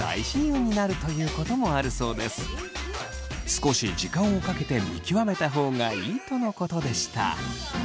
少し時間をかけて見極めた方がいいとのことでした。